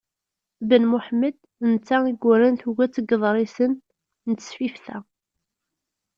Ben Muḥemmed, d netta i yuran tuget n yiḍrisen n tesfift-a.